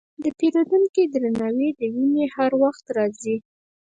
که پیرودونکی درناوی وویني، هر وخت راځي.